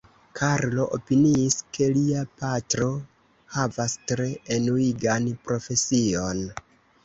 Karlo opiniis, ke lia patro havas tre enuigan profesion.